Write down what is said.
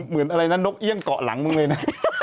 เหมือนอะไรนะนกเอี่ยงเกาะหลังมึงเลยนะ